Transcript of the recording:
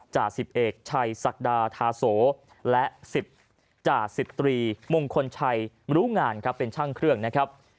จ่าสิบเอกชัยศักดาธาโสและ๑๐จ่าสิบตรีมงคลชัยรู้งานครับเป็นช่างเครื่องนะครับ